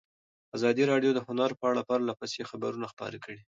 ازادي راډیو د هنر په اړه پرله پسې خبرونه خپاره کړي.